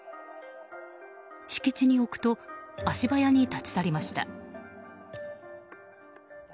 敷地に置くと足早に立ち去りました。